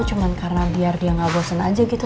cuman karena biar dia gak bosen aja gitu